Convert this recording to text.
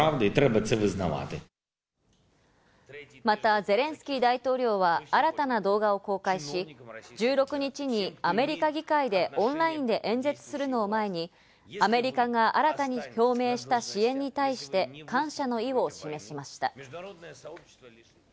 またゼレンスキー大統領は新たな動画を公開し、１６日にアメリカ議会でオンラインで演説するのを前にアメリカが新たに表明した支援に対して感謝の意を示しました。